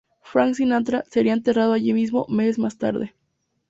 Frank Sinatra sería enterrado allí mismo meses más tarde.